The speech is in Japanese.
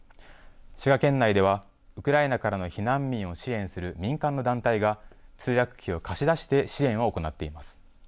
滋賀県内ではウクライナからの避難民を支援する民間の団体が、通訳機を貸し出して、支援を行っています。